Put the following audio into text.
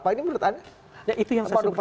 ini menurut anda apa apa